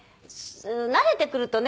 慣れてくるとね